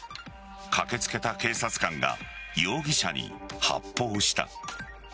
駆けつけた警察官が容疑者に発砲した。